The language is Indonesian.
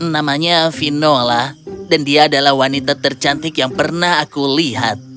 namanya vinola dan dia adalah wanita tercantik yang pernah aku lihat